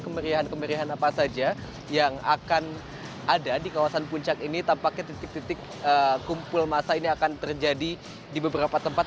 kemeriahan kemerihan apa saja yang akan ada di kawasan puncak ini tampaknya titik titik kumpul masa ini akan terjadi di beberapa tempat